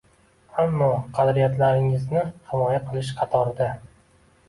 Ammo qadriyatlaringizni himoya qilish qatorida